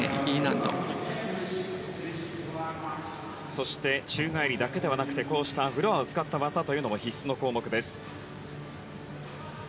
そして、宙返りだけではなくてフロアを使った技も必須の項目です。